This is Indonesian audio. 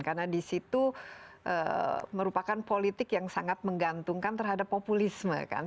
karena di situ merupakan politik yang sangat menggantungkan terhadap populisme kan